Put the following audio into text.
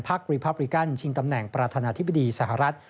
รีพับริกันชิงตำแหน่งประธานาธิบดีสหรัฐ